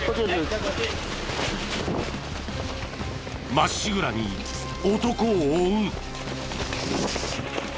まっしぐらに男を追う。